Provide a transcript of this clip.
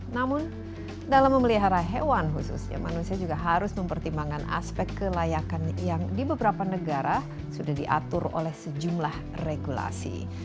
namun dalam memelihara hewan khususnya manusia juga harus mempertimbangkan aspek kelayakan yang di beberapa negara sudah diatur oleh sejumlah regulasi